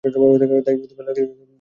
ওই এলাকাতেই ছিল তার গ্রামের বাড়ি।